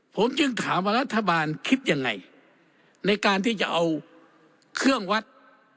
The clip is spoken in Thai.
ผมจึงถามว่ารัฐบาลคิดยังไงในการที่จะเอาเครื่องวัด